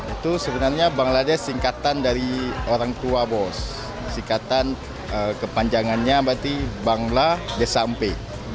itu sebenarnya bangladesh singkatan dari orang tua bos singkatan kepanjangannya berarti bangla desa mpe